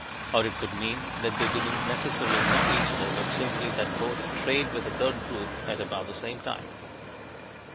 Or it could mean that they didn't necessarily know each other, but simply that both traded with a third group at about the same time.